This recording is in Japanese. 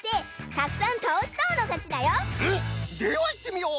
ではいってみよう！